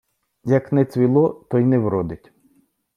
Як не цвіло, то й не вродить.